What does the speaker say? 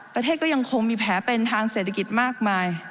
ประเทศก็ยังคงมีแผลเป็นทางเศรษฐกิจมากมาย